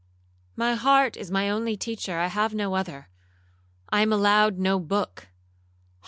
'—'My heart is my only teacher—I have no other—I am allowed no book.'